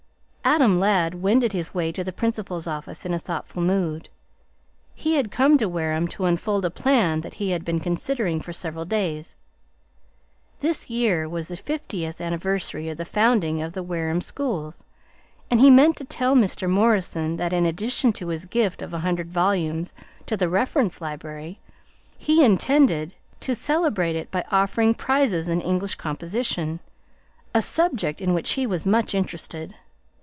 Adam Ladd wended his way to the principal's office in a thoughtful mood. He had come to Wareham to unfold a plan that he had been considering for several days. This year was the fiftieth anniversary of the founding of the Wareham schools, and he meant to tell Mr. Morrison that in addition to his gift of a hundred volumes to the reference library, he intended to celebrate it by offering prizes in English composition, a subject in which he was much interested.